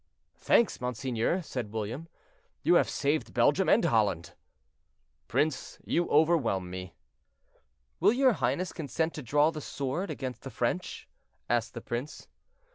"Thanks, monseigneur," said William; "you have saved Belgium and Holland." "Prince, you overwhelm me." "Will your highness consent to draw the sword against the French?" asked the prince.